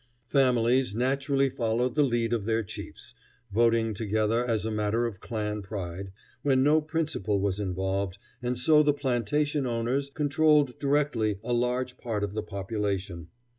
Families naturally followed the lead of their chiefs, voting together as a matter of clan pride, when no principle was involved, and so the plantation owners controlled directly a large part of the population.